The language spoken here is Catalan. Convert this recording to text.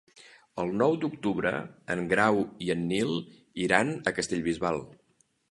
El nou d'octubre en Grau i en Nil iran a Castellbisbal.